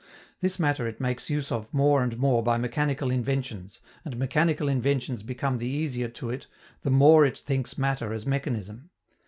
This matter it makes use of more and more by mechanical inventions, and mechanical inventions become the easier to it the more it thinks matter as mechanism.